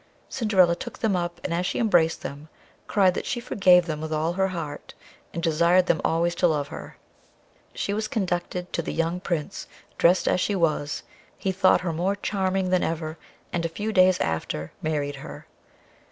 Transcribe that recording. Cinderilla took them up, and as she embraced them, cried that she forgave them with all her heart, and desired them always to love her. She was conducted to the young Prince, dressed as she was; he thought her more charming than ever, and, a few days after, married her.